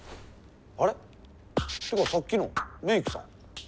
あれ？ってかさっきのメークさん。